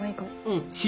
うん。